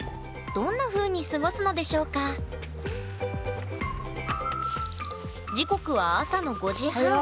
どんなふうに過ごすのでしょうか時刻は朝の５時半。